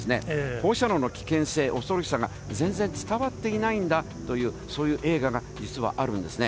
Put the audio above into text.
放射能の危険性、恐ろしさが、全然伝わっていないんだという、そういう映画が実はあるんですね。